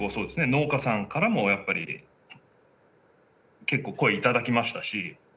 農家さんからもやっぱり結構声頂きましたし。